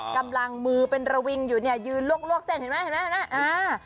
กำลังมือเป็นระวิงอยู่เนี่ยยืนลวกเส้นเห็นไหมอะ